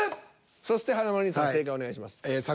そして華丸兄さん正解お願いします。